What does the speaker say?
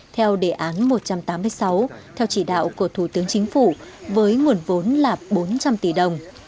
theo đề án một trăm tám mươi sáu theo chỉ đạo của thủ tướng chính phủ với nguồn vốn là bốn trăm linh tỷ đồng